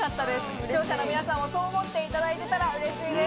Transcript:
視聴者の皆さんもそう思っていただいてたらうれしいです。